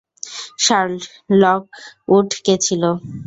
Charlotte Lockwood কে ছিল।